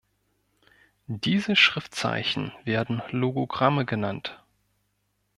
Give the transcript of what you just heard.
Diese Schriftzeichen werden Logogramme genannt.